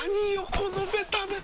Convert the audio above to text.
このベタベタ。